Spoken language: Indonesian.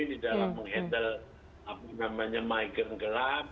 di dalam menghentel apa namanya migrant grab